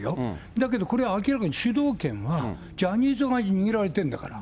だけど、これは明らかに主導権は、ジャニーズ側に握られてるんだから。